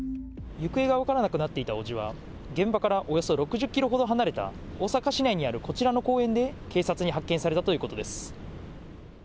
行方が分からなくなっていた伯父は、現場からおよそ６０キロほど離れた、大阪市内にあるこちらの公園で警察に発見されたということです。